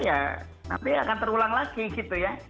ya nanti akan terulang lagi gitu ya